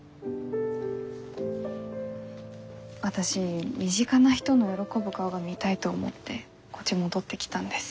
私身近な人の喜ぶ顔が見たいと思ってこっち戻ってきたんです。